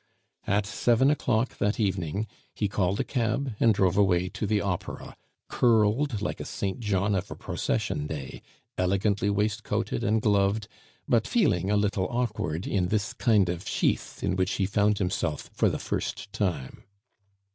At seven o'clock that evening he called a cab and drove away to the Opera, curled like a Saint John of a Procession Day, elegantly waistcoated and gloved, but feeling a little awkward in this kind of sheath in which he found himself for the first time.